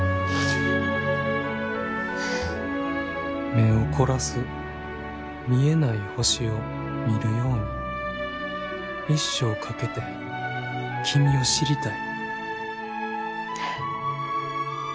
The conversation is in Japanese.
「目を凝らす見えない星を見るように一生かけて君を知りたい」。